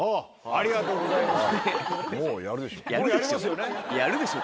ありがとうございます。